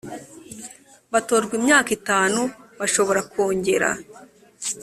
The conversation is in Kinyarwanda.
batorerwa imyaka itanu bashobora kongera